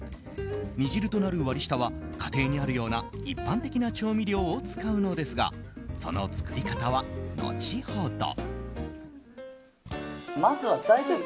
煮汁となる割り下は家庭にあるような一般的な調味料を使うのですがその作り方は後ほど。